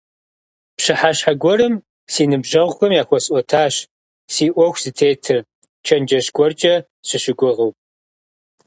Пщыхьэщхьэ гуэрым си ныбжьэгъухэм яхуэсӀуэтащ си Ӏуэху зытетыр, чэнджэщ гуэркӀэ сащыгугъыу.